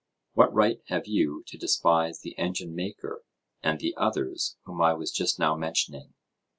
What right have you to despise the engine maker, and the others whom I was just now mentioning?